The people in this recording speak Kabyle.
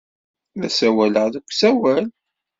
La ssawaleɣ deg usawal.